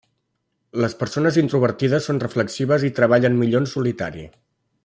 Les persones introvertides són reflexives i treballen millor en solitari.